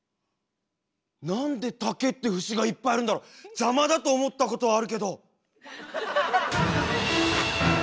なんで竹って節がいっぱいあるんだろ邪魔だと思ったことはあるけど！